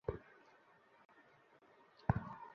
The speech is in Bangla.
এরা আমাদের সবার সাথে মজা করছে!